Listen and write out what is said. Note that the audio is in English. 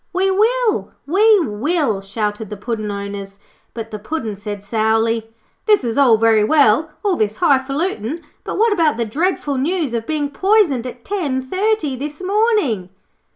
'We will, we will,' shouted the Puddin' owners; but the Puddin' said sourly: 'This is all very well, all this high falutin'. But what about the dreadful news of being poisoned at ten thirty this morning?'